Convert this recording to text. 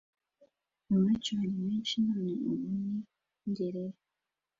Iwacu hari henshi None ubu ni ngerere: